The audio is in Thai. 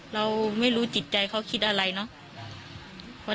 เราไม่รู้จิตใจเขาคิดอะไรเนาะ